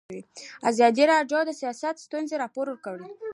ازادي راډیو د سیاست ستونزې راپور کړي.